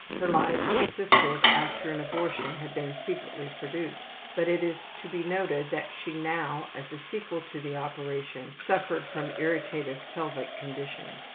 Her lies persisted after an abortion had been secretly produced, but it is to be noted that she now, as a sequel to the operation, suffered from irritative pelvic conditions.